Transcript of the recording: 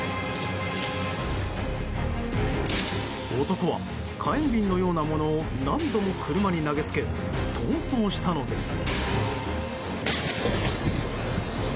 男は、火炎瓶のようなものを何度も車に投げつけ逃走したのです。